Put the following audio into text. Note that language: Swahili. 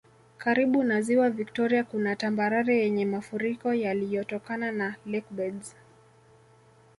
Karibu na Ziwa Viktoria kuna tambarare yenye mafuriko yaliyotokana na lakebeds